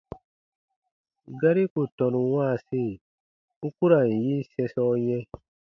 Gari ku tɔnu wãasi, u ku ra n yin sɛ̃sɔ yɛ̃.